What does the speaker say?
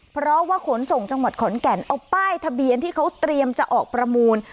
เพราะว่าขนส่งจังหวัดขอนแก่นเอาป้ายทะเบียนที่เขาเตรียมจะออกประมูล